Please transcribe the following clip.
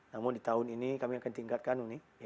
namun di tahun ini kami akan tingkatkan